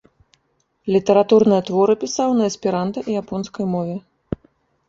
Літаратурныя творы пісаў на эсперанта і японскай мове.